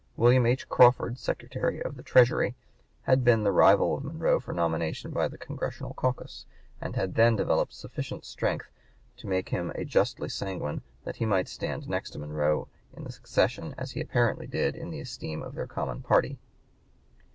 William H. Crawford, Secretary of the Treasury, had been the rival of Monroe for nomination by the Congressional caucus, and had then developed sufficient strength (p. 149) to make him justly sanguine that he might stand next to Monroe in the succession as he apparently did in the esteem of their common party.